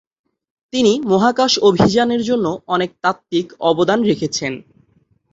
তিনি মহাকাশ অভিযানের জন্য অনেক তাত্ত্বিক অবদান রেখেছেন।